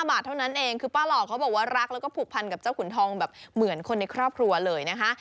บาทเท่านั้นเองคือป้าหล่อเขาบอกว่ารักแล้วก็ผูกพันกับเจ้าขุนทองแบบเหมือนคนในครอบครัวเลยนะคะ